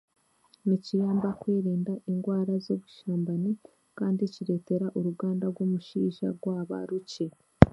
Nikiyamba kwerinda engwara z'obushambani kandi kireetera oruganda rw'omushaija rwaba rukye